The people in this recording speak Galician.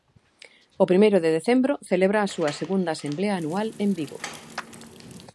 O primeiro de decembro celebra a súa segunda asemblea anual en Vigo.